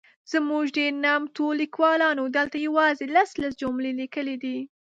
زموږ ډېر نامتو لیکوالانو دلته یوازي لس ،لس جملې لیکلي دي.